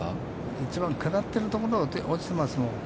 一番下ってるところ、落ちてますもん。